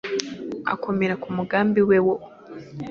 akomera ku mugambi we wo